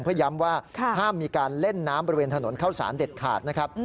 เพื่อย้ำว่าห้ามมีการเล่นน้ำบริเวณถนนเข้าสารเด็ดขาดนะครับ